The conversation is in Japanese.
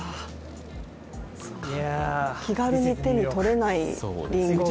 気軽に手に取れない、りんごが。